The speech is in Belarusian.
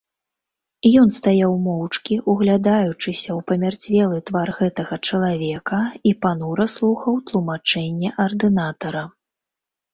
Ён стаяў моўчкі, углядаючыся ў памярцвелы твар гэтага чалавека, і панура слухаў тлумачэнні ардынатара.